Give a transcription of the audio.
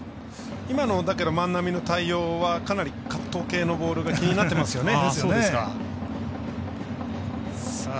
今の万波の対応は、かなりカット系のボールが気になってますよね。